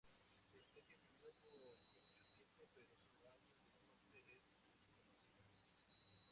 Se cree que vivió por mucho tiempo, pero su año de muerte es desconocida.